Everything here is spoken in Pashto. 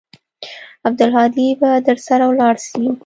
عبدالهادي به درسره ولاړ سي.